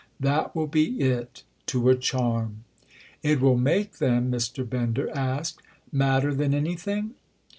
"That will be it—to a charm!" "It will make them," Mr. Bender asked, "madder than anything?"